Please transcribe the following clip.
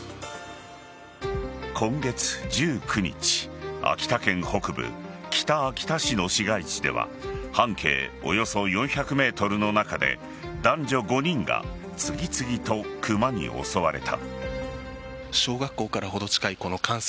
今月１９日、秋田県北部北秋田市の市街地では半径およそ４００ｍの中で男女５人が次々とクマに襲われた。